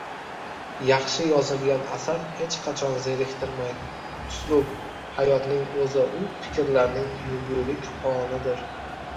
Yaxshi yozilgan asar hech qachon zeriktirmaydi. Uslub – hayotning o‘zi, u fikrlarning yugurik qonidir.